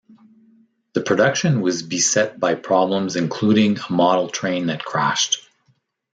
The production was beset by problems including a model train that crashed.